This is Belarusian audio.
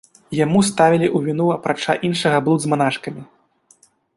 Яму ставілі ў віну апрача іншага блуд з манашкамі.